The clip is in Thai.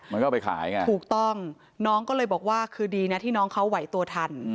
มันก็เอาไปขายไงถูกต้องน้องก็เลยบอกว่าคือดีนะที่น้องเขาไหวตัวทัน